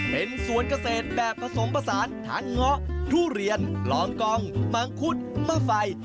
เป็นสวนเกษตรแบบผสมผสานทั้งเงาะทุเรียนกลองกองมังคุดมะไฟ